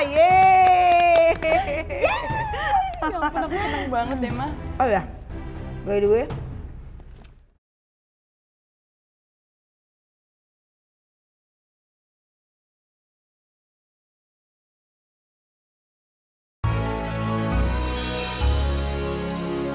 ya ampun aku senang banget ma